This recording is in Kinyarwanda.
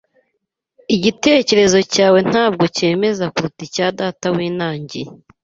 Igitekerezo cyawe ntabwo cyemeza kuruta icya data winangiye.